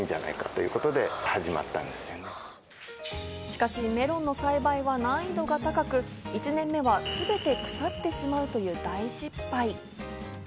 しかしメロンの栽培は難易度が高く、１年目はすべて腐ってしまうという大失敗。